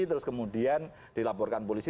terus kemudian dilaporkan polisi